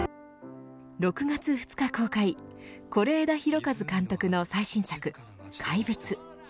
６月２日公開是枝裕和監督の最新作、怪物。